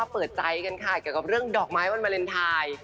เกี่ยวกับเรื่องดอกไม้วันเมรินไทย